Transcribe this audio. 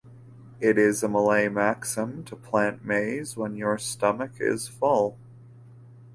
It is a Malay maxim to plant maize when your stomach is full.